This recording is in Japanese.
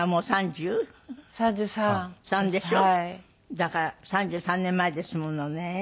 だから３３年前ですものね。